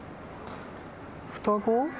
双子？